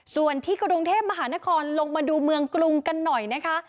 ส่วนที่กรุงเทพมหานครลงมาดูเมืองกรุงกันหน่อยนะคะ